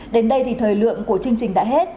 đến đây thì thời lượng của chương trình đã hết